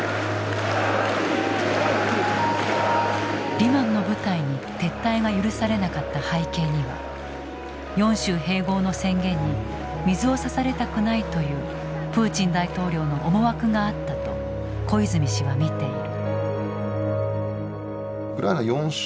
リマンの部隊に撤退が許されなかった背景には４州併合の宣言に水をさされたくないというプーチン大統領の思惑があったと小泉氏は見ている。